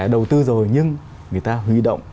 đầu tư rồi nhưng người ta huy động